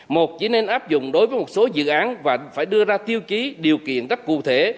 một chỉ nên áp dụng đối với một số dự án và phải đưa ra tiêu chí điều kiện rất cụ thể